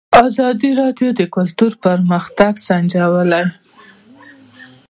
ازادي راډیو د کلتور پرمختګ سنجولی.